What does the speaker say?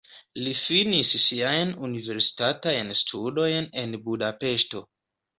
Li finis siajn universitatajn studojn en Budapeŝto.